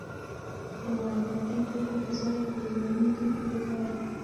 د وارداتي توکو په ځای کورني توکي وکاروئ.